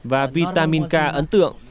và vitamin k ấn tượng